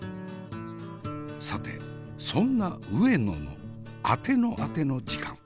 さてそんな上野のあてのあての時間。